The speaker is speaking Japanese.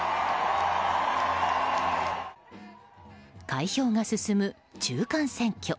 開票が進む中間選挙。